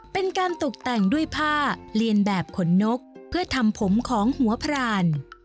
เป็นการตกแต่งด้วยผ้าเรียนแบบขนนกเพื่อทำผมของหัวพราน